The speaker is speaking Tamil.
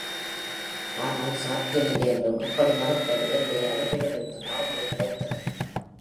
ஆனால் சாத்தியமில்லை என்றும் எப்படி மறுப்பது? என்றே அவர்களிடமிருந்து மறுமொழி கிடைத்தது.